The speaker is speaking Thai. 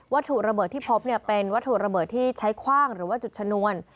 ถูกระเบิดที่พบเป็นวัตถุระเบิดที่ใช้คว่างหรือว่าจุดชนวน